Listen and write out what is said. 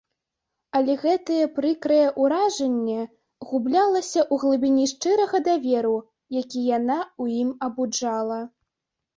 Але гэтае прыкрае ўражанне гублялася ў глыбіні шчырага даверу, які яна ў ім абуджала.